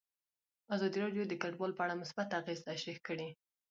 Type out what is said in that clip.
ازادي راډیو د کډوال په اړه مثبت اغېزې تشریح کړي.